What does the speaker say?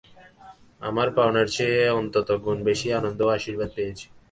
আমার পাওনার চেয়ে অনন্তগুণ বেশী আনন্দ ও আশীর্বাদ পেয়েছি।